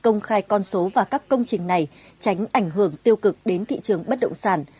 công khai con số và các công trình này tránh ảnh hưởng tiêu cực đến thị trường bất động sản